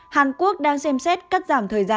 hàn quốc đang xem xét cắt giảm thời gian